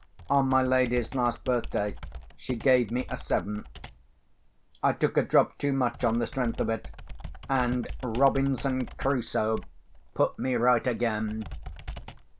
On my lady's last birthday she gave me a seventh. I took a drop too much on the strength of it; and Robinson Crusoe put me right again.